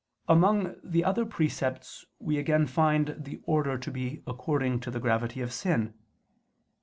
Among the other precepts we again find the order to be according to the gravity of sin.